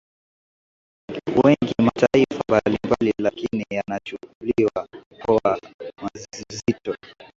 wengi mataifa mbalimbali lakini yanachukuliwa kwa uzito